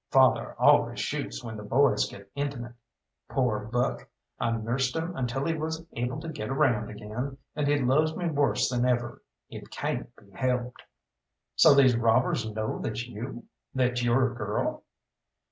Father always shoots when the boys get intimate. Poor Buck! I nursed him until he was able to get around again, and he loves me worse than ever. It cayn't be helped." "So these robbers know that you that you're a girl?"